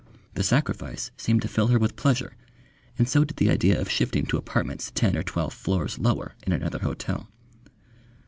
The sacrifice seemed to fill her with pleasure, and so did the idea of shifting to apartments ten or twelve floors lower in another hotel.